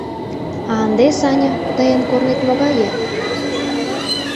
— А ынде, Саня, тыйын корнет могае?